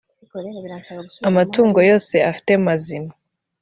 amatungo yose afite mazima